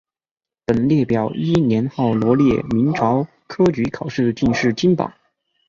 本列表依年号罗列明朝科举考试进士金榜。